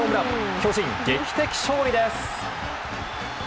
巨人、劇的勝利です。